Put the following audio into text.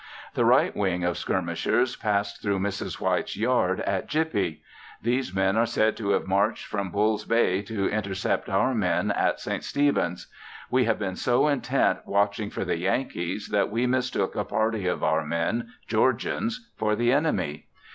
The right wing of skirmishers passed through Mrs. White's yard at Gippy. These men are said to have marched from Bull's Bay to intercept our men at St. Stephens. We have been so intent watching for the Yankees that we mistook a party of our men, Georgians, for the enemy.